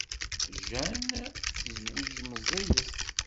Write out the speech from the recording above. Jane tezweǧ meẓẓiyet.